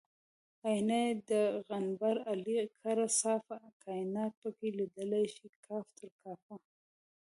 آیینه یې د قنبر علي کړه صافه کاینات پکې لیدی شي کاف تر کافه